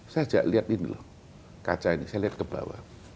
saya ajak lihat ini loh kaca ini saya lihat ke bawah